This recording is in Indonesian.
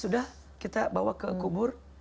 sudah kita bawa ke kubur